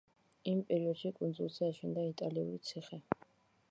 იმ პერიოდში კუნძულზე აშენდა იტალიური ციხე.